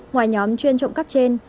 ngoài nhóm chuyên trộm cắp trên